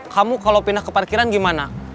kamu kalau pindah ke parkiran gimana